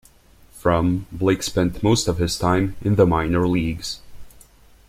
From -, Blake spent most of his time in the minor leagues.